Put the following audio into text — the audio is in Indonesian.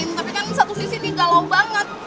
tapi kan satu sisi dia galau banget